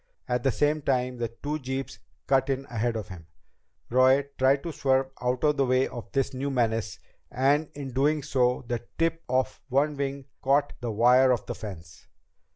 At the same time, the two jeeps cut in ahead of him. Roy tried to swerve out of the way of this new menace, and in doing so the tip of one wing caught the wire of the fence.